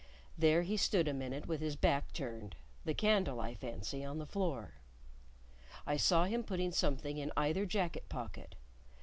There he stood a minute with his back turned, the candle, I fancy, on the floor. I saw him putting something in either jacket pocket.